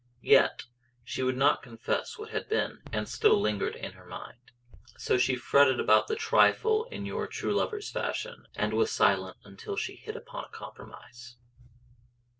Yet she would not confess what had been (and still lingered) in her mind. So she fretted about the trifle in your true lover's fashion, and was silent until she hit upon a compromise.